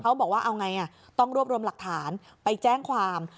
เขาบอกว่าเอาไงต้องรวบรวมหลักฐานไปแจ้งความ